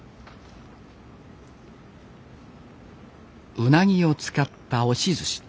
うなぎを使った押し寿司。